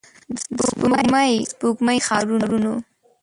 د سپوږمۍ، سپوږمۍ ښارونو